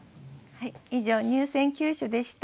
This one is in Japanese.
以上入選九首でした。